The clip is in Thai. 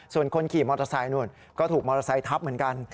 ส่วนคนขี่มอเตอร์ไซค์นู่นก็ถูกมอเตอร์ไซค์ทับเหมือนกัน